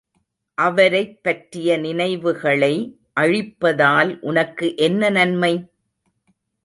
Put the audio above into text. அவரைப் பற்றிய நினைவுகளை அழிப்பதால் உனக்கு என்ன நன்மை?